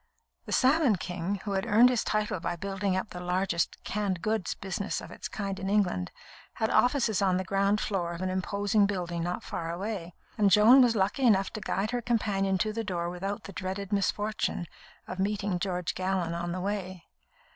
"The Salmon King," who had earned his title by building up the largest "canned goods" business of its kind in England, had offices on the ground floor of an imposing building not far away, and Joan was lucky enough to guide her companion to the door without the dreaded misfortune of meeting George Gallon on the way.